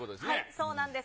そうなんです。